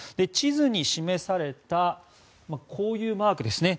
地図に示された、こういうマーク